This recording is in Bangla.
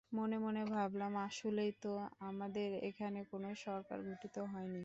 মনে মনে ভাবলাম, আসলেই তো, আমাদের এখনো কোনো সরকার গঠিত হয়নি।